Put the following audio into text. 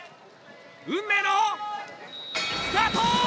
運命のスタート！